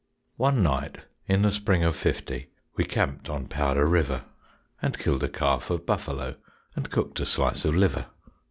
One night in the spring of fifty We camped on Powder River, And killed a calf of buffalo And cooked a slice of liver.